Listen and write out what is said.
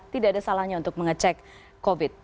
tidak ada salahnya untuk mengecek covid